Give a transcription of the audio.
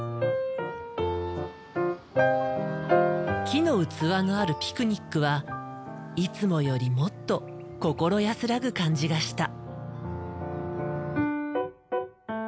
木の器があるピクニックはいつもよりもっと心安らぐ感じがした。